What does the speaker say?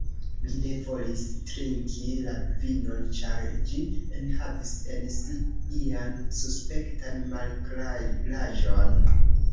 Mi ne volis trinki la vinon, ĉar ĝi enhavis en si ian suspektan malklaraĵon.